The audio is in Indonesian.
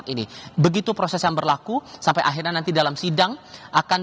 dua ribu dua puluh empat ini begitu proses yang berlaku sampai akhirnya nanti dalam sidang akan